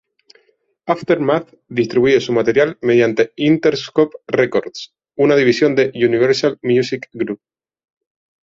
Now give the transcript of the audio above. Aftermath distribuye su material mediante Interscope Records, una división de Universal Music Group.